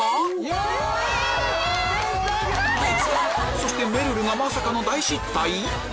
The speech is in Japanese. そしてめるるがまさかの大失態